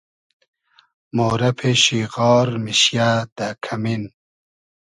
مورۂ پېشی غار میشیۂ دۂ کئمین